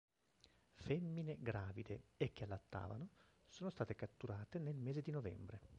Femmine gravide e che allattavano sono state catturate nel mese di novembre.